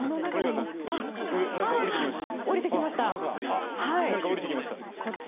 何か降りてきました！